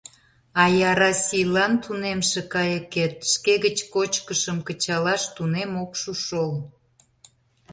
А яра сийлан тунемше кайыкет шке гыч кочкышым кычалаш тунем ок шу шол...